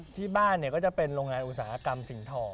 ที่บ้านก็จะเป็นโรงงานอุตสาหกรรมสิงหอ